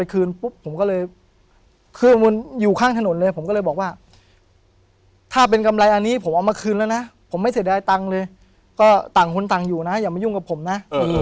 คืนปุ๊บผมก็เลยเครื่องมนต์อยู่ข้างถนนเลยผมก็เลยบอกว่าถ้าเป็นกำไรอันนี้ผมเอามาคืนแล้วนะผมไม่เสียดายตังค์เลยก็ต่างคนต่างอยู่นะอย่ามายุ่งกับผมนะ